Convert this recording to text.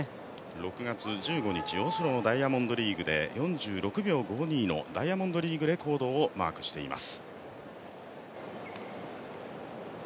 ６月１５日、オスロのダイヤモンドリーグで４６秒５２のダイヤモンドリーグレコードをマークしています。